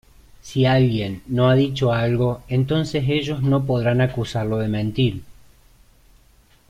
Si alguien no ha dicho algo, entonces ellos no podrán acusarlo de mentir.